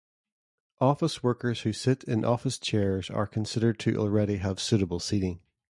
Office workers who sit in office chairs are considered to already have suitable seating.